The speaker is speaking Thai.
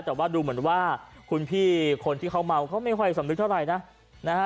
แต่ว่าดูเหมือนว่าคุณพี่คนที่เขาเมาเขาไม่ค่อยสำนึกเท่าไหร่นะนะฮะ